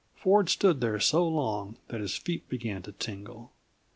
Ford stood there so long that his feet began to tingle.